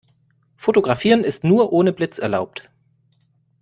Fotografieren ist nur ohne Blitz erlaubt.